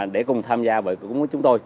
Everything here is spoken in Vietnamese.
để cùng tham gia với chúng tôi